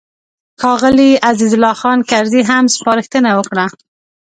ښاغلي عزیز الله خان کرزي هم سپارښتنه وکړه.